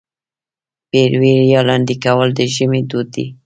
پېروی یا لاندی کول د ژمي دود دی.